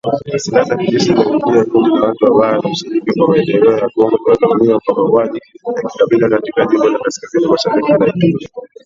silaa za kijeshi ziliziangukia kundi la watu wabaya la Ushirika kwa Maendeleo ya Kongo linalaumiwa kwa mauaji ya kikabila katika jimbo la kaskazini-mashariki la Ituri.